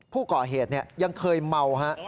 ผู้ก่อเหตุยังเคยเมาฮะ